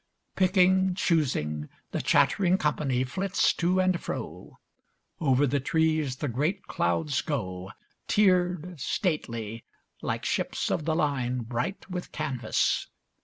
Picking, choosing, the chattering company flits to and fro. Over the trees the great clouds go, tiered, stately, like ships of the line bright with canvas.